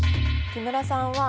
木村さんは。